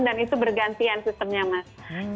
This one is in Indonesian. dan itu bergantian sistemnya mas